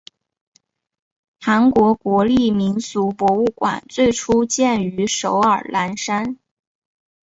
韩国国立民俗博物馆最初建于首尔南山。